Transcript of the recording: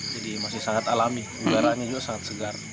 jadi masih sangat alami kembarannya juga sangat segar